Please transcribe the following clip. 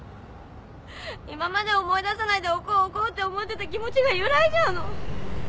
今まで思い出さないでおこうおこうって思ってた気持ちが揺らいじゃうの。